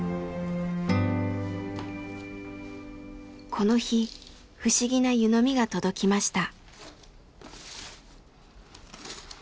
この日不思議な湯飲みが届きました。